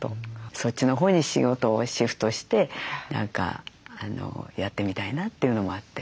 そっちのほうに仕事をシフトして何かやってみたいなというのもあって。